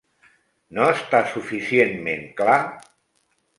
No està suficientment clar?